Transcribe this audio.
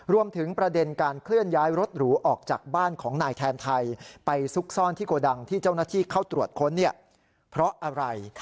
รวมถึงประเด็นการเคลื่อนย้ายรถหรูออกจากบ้านของนายแทนไทยไปซุกซ่อนที่โกดังที่เจ้าหน้าที่เข้าตรวจค้นเนี่ยเพราะอะไร